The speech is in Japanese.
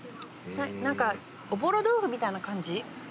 何かおぼろ豆腐みたいな感じ。